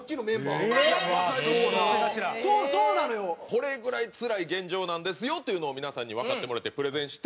これぐらいつらい現状なんですよというのを皆さんにわかってもらいたいプレゼンして。